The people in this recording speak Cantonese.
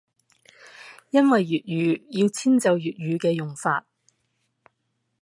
因為粵語要遷就粵語嘅用法